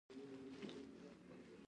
د پښتو راتلونکی په علم کې دی.